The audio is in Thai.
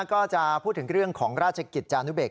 ก็จะพูดถึงเรื่องของราชกิจจานุเบก